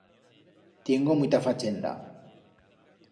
Tiengo muita fachenda!